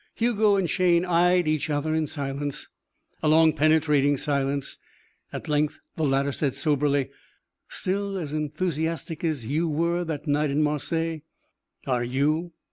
Hugo and Shayne eyed each other in silence. A long, penetrating silence. At length the latter said soberly: "Still as enthusiastic as you were that night in Marseilles?" "Are you?"